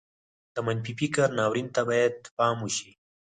د منفي فکر ناورين ته بايد پام وشي.